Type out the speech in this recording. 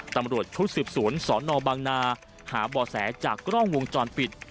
ตำรวจชุดสืบสวนสนบางนาหาบ่อแสจากกล้องวงจรปิด